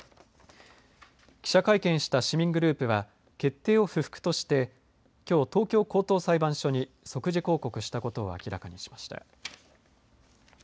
記者会見した市民グループは決定を不服としてきょう東京高等裁判所に即時抗告したことを明らかにしました。